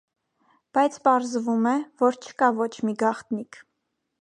Բայց պարզվում է, որ չկա ոչ մի գաղտնիք։